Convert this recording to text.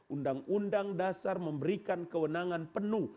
undang undang dasar memberikan kewenangan penuh